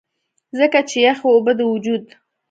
ځکه چې يخې اوبۀ د وجود